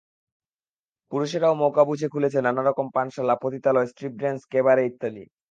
পুরুষেরাও মওকা বুঝে খুলেছে নানা রকম পানশালা, পতিতালয়, স্ট্রিপড্যান্স, ক্যাবারে ইত্যাদি।